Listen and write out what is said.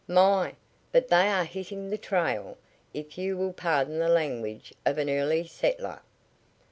My, but they are hitting the trail, if you will pardon the language of an early settler.